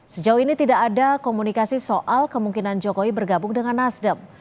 sejauh ini tidak ada komunikasi soal kemungkinan jokowi bergabung dengan nasdem